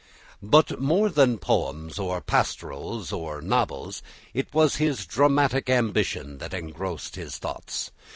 But more than poems, or pastorals, or novels, it was his dramatic ambition that engrossed his thoughts.